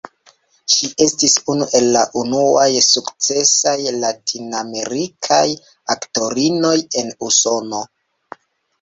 Ŝi estis unu el la unuaj sukcesaj latinamerikaj aktorinoj en Usono.